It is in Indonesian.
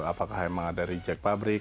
apakah memang ada reject pabrik